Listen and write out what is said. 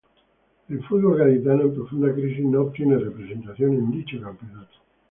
El fútbol gaditano, en profunda crisis, no obtiene representación en dicho campeonato.